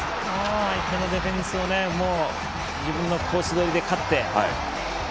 相手ディフェンスを自分のコース取りで勝って。